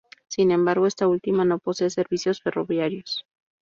Sin embargo, esta última no posee servicios ferroviarios.